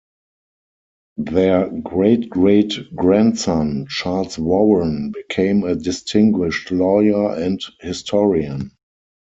Their great-great grandson, Charles Warren became a distinguished lawyer and historian.